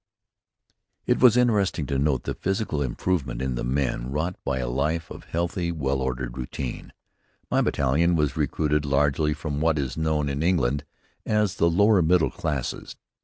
It was interesting to note the physical improvement in the men wrought by a life of healthy, well ordered routine. My battalion was recruited largely from what is known in England as "the lower middle classes."